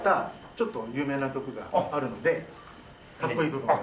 ちょっと有名な曲があるのでかっこいい部分を。